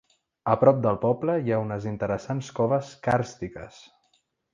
A prop del poble hi ha unes interessants coves càrstiques.